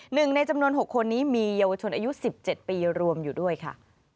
หนึ่งในจำนวน๖คนนี้มีเยาวชนอายุ๑๗ปีรวมอยู่ด้วยค่ะ